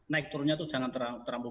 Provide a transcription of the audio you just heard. naik turunnya itu jangan terlalu